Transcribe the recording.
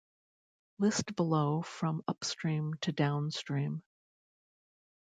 List below from upstream to downstream.